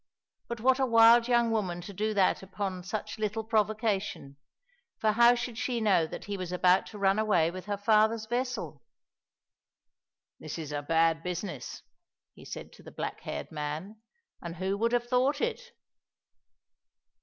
But what a wild young woman to do that upon such little provocation, for how should she know that he was about to run away with her father's vessel! "This is a bad business," he said to the black haired man, "and who would have thought it?"